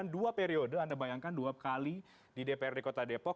dua periode anda bayangkan dua kali di dprd kota depok